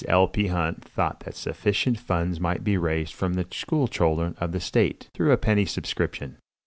L. P. Hunt thought that sufficient funds might be raised from the school children of the state, through a penny subscription.